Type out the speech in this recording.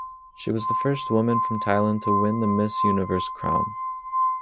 She was the first woman from Thailand to win the Miss Universe crown.